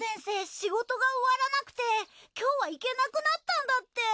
仕事が終わらなくて今日は行けなくなったんだって。